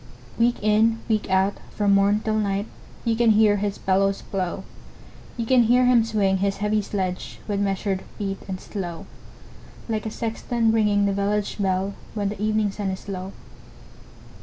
Week in, week out, from morn till night, You can hear his bellows blow; You can hear him swing his heavy sledge, With measured beat and slow, Like a sexton ringing the village bell, When the evening sun is low.